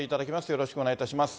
よろしくお願いします。